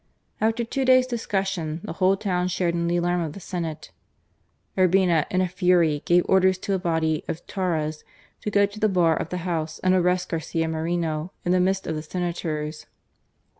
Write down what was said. After two days' discussion the whole town shared in the alarm of the Senate. Urbina in a fury gave orders to a body of " Tauras " to go to the bar of the house and arrest Garcia Moreno in the midst of the senators.